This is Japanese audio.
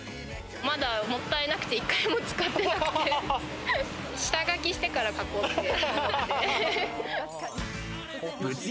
まだもったいなくて１回も使ってなくて、下書きしてから書こうって思って。